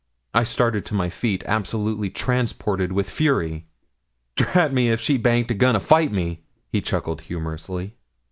I started to my feet, absolutely transported with fury. 'Drat me, if she baint a going to fight me!' he chuckled humorously.